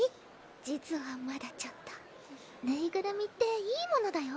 実はまだちょっとぬいぐるみっていいものだよ